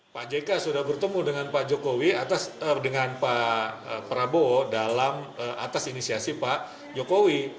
pak jk sudah bertemu dengan pak prabowo atas inisiasi pak jokowi